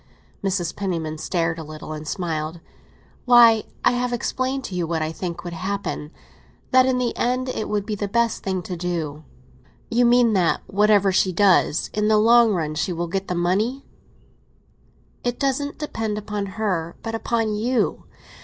Mrs. Penniman stared a little, and smiled. "Why, I have explained to you what I think would happen—that in the end it would be the best thing to do." "You mean that, whatever she does, in the long run she will get the money?" "It doesn't depend upon her, but upon you.